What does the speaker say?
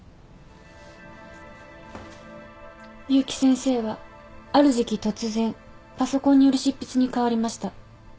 結城先生はある時期突然パソコンによる執筆に変わりました。